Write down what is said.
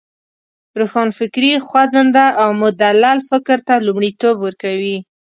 روښانفکري خوځنده او مدلل فکر ته لومړیتوب ورکوی.